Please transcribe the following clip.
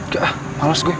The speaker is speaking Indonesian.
gak ah males gue